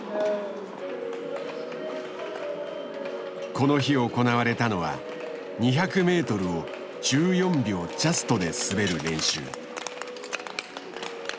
この日行われたのは２００ｍを１４秒ジャストで滑る練習。